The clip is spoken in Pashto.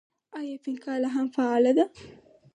آیا فینکا لا هم فعاله ده؟